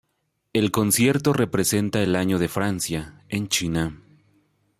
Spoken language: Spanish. El concierto representa el "Año de Francia" en China.